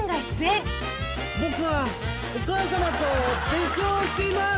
僕はお母さまと勉強しています。